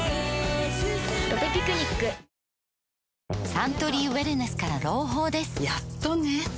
サントリーウエルネスから朗報ですやっとね